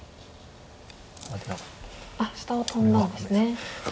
下をトンだんですね。